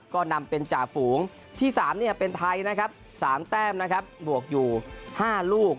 ก็นำเป็นจากฝูงที่๓เป็นไทยนะครับ๓เต็มบวกอยู่๕ลูก